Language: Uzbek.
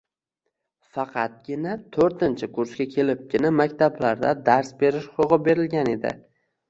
faqatgina to'rtinchi kursga kelibgina maktablarda dars berish huquqi berilgan edi.